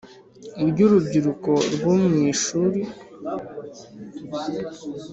ry Urubyiruko rwo mu mashuri